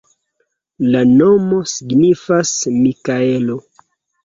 La nomo signifas Mikaelo.